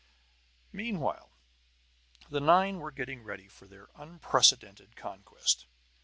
Meanwhile the nine were getting ready for their unprecedented conquest.